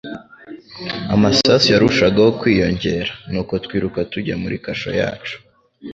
Amasasu yarushagaho kwiyongera, nuko twiruka tujya muri kasho yacu.